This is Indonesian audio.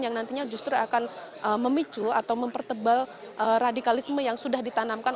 yang nantinya justru akan memicu atau mempertebal radikalisme yang sudah ditanamkan